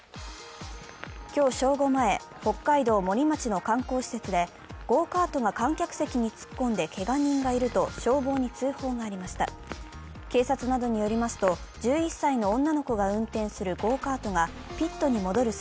今日正午前、北海道森町の観光施設でゴーカートが観客席に突っ込んでけが人がいると、消防に通報がありました。